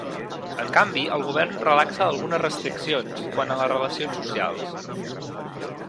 En canvi, el govern relaxa algunes restriccions quant a les relacions socials.